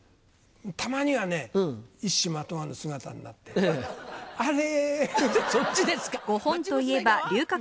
たまにはね一糸まとわぬ姿になってあれ！